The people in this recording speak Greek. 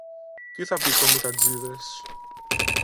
Τι θα πει κομιτατζήδες;